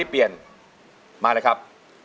เปลี่ยนเพลงครับ